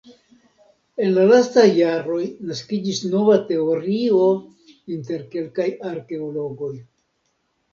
En la lastaj jaroj naskiĝis nova teorio inter kelkaj arkeologoj.